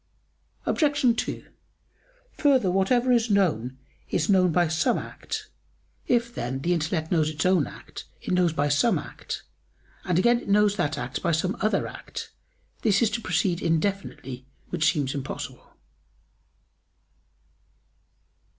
Obj. 2: Further, whatever is known is known by some act. If, then, the intellect knows its own act, it knows it by some act, and again it knows that act by some other act; this is to proceed indefinitely, which seems impossible.